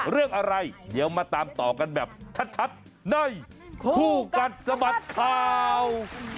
เรื่องอะไรเดี๋ยวมาตามต่อกันแบบชัดในคู่กัดสะบัดข่าว